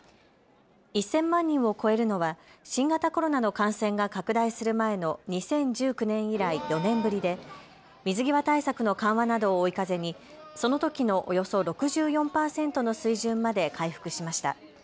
１０００万人を超えるのは新型コロナの感染が拡大する前の２０１９年以来４年ぶりで水際対策の緩和などを追い風にそのときのおよそ６４％の水準まで回復しました。